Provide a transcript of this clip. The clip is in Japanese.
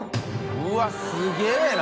うわっすげぇな。